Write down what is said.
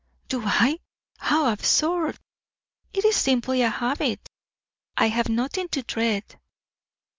"Do I? How absurd! It is simply a habit. I have nothing to dread."